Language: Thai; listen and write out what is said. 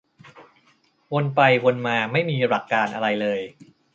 วนไปวนมา ไม่มีหลักการอะไรเลย